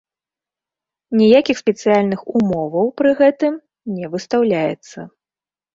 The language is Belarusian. Ніякіх спецыяльных умоваў пры гэтым не выстаўляецца.